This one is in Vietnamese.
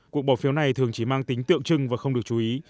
cuộc bỏ phiếu này thường chỉ mang tính tượng trưng và không được chú ý